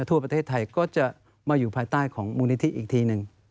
ทั่วประเทศไทยก็จะมาอยู่ภายใต้ของมูลนิธิอีกทีหนึ่ง